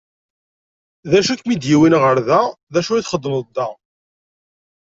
D acu i kem-id-yewwin ɣer da, d acu i txeddmeḍ da?